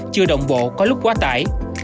chưa động bộ có lúc quá tải